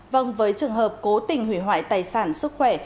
vâng với trường hợp cố tình hủy hoại tài sản sức khỏe